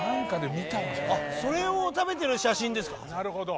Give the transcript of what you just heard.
それを食べてる写真ですか？